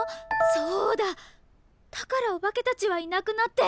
そうだだからお化けたちはいなくなって。